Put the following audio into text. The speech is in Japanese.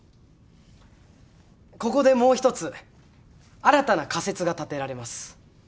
ここでもう一つ新たな仮説が立てられます。